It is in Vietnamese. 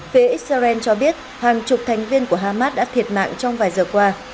phía israel cho biết hàng chục thành viên của hamas đã thiệt mạng trong vài giờ qua